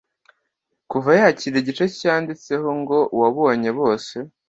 kuva yakira Igice cyanditseho ngo Uwabonye bose